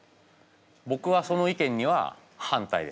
ぼくはその意見には反対です。